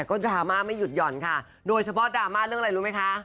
ก็ดราม่าไม่หยุดหย่อนค่ะโดยเฉพาะดราม่าเรื่องอะไรรู้ไหมคะ